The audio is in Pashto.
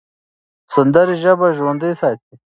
سندرې ژبه ژوندۍ ساتي.